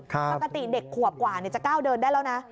ปกติเด็กขวบกว่าจะก้าวเดินได้แล้วนะ